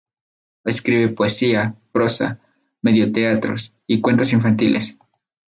Escribe poesía, prosa, radioteatros y cuentos infantiles.